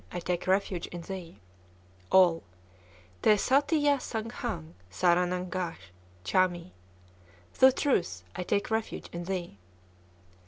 I take refuge in thee.) All. Tè sâtiyâ sâng Khâng sârâ nang gâch' châ mi! (Thou Truth, I take refuge in thee.)